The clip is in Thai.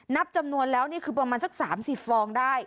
นับจำนวนแล้วนี่คือประมาณสัก๓๐ฟองได้